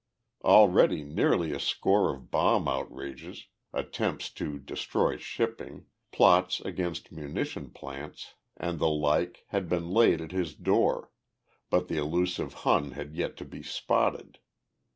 Already nearly a score of bomb outrages, attempts to destroy shipping, plots against munition plants, and the like had been laid at his door, but the elusive Hun had yet to be spotted.